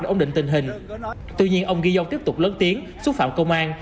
để ổn định tình hình tuy nhiên ông giyon tiếp tục lớn tiếng xúc phạm công an